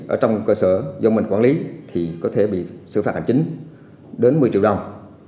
ở trong cơ sở do mình quản lý thì có thể bị xử phạt hành chính đến một mươi triệu đồng